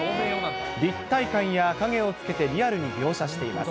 立体感や影をつけてリアルに描写しています。